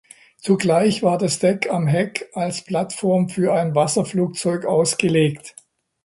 Zugleich war das Deck am Heck als Plattform für ein Wasserflugzeug ausgelegt.